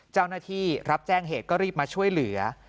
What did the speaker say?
เจ้าหน้าที่รับแจ้งเหตุก็รีบมาช่วยเหลือ